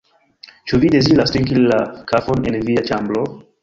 Ĉu vi deziras trinki la kafon en via ĉambro?